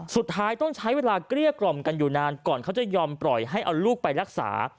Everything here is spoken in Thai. สุดท้ายต้องใช้เวลาเกลี้ยกล่อมกันอยู่นานก่อนเขาจะยอมปล่อยให้เอาลูกไปรักษา